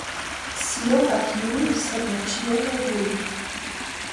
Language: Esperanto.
Scion akiru, sed ne ĉion eldiru.